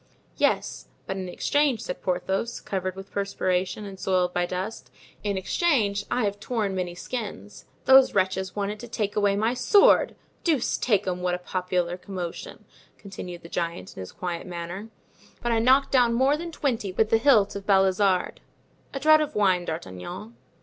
"Yes, but in exchange," said Porthos, covered with perspiration and soiled by dust, "in exchange, I have torn many skins. Those wretches wanted to take away my sword! Deuce take 'em, what a popular commotion!" continued the giant, in his quiet manner; "but I knocked down more than twenty with the hilt of Balizarde. A draught of wine, D'Artagnan."